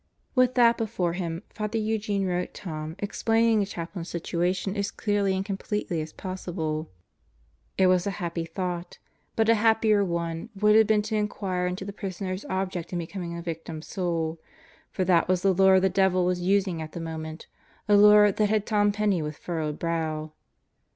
With that before him, Father Eugene wrote Tom explaining the Chaplain's situation as clearly and completely as possible. It was a happy thought. But a happier one would have been to inquire into the prisoner's object in becoming a Victim Soul; for that was the lure the devil was using at the moment a lure that had Tom Penney with furrowed brow.